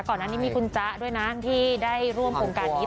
ก่อนหน้านี้มีคุณจ๊ะด้วยนะที่ได้ร่วมโครงการนี้